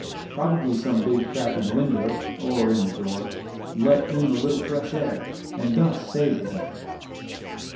Probably some big crack in the window, or in the door, let in a little fresh air, and thus saved them.